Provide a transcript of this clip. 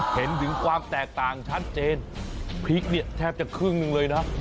เห็นถึงความแตกต่างชัดเจนพริกเนี่ยแทบจะครึ่งหนึ่งเลยนะ